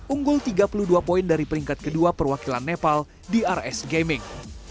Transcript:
unggul tiga puluh dua poin dari peringkat kedua perwakilan nepal di rs gaming